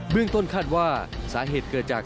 เรื่องต้นคาดว่าสาเหตุเกิดจาก